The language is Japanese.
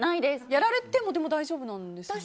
やられても大丈夫なんですよね？